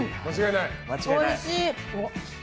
おいしい！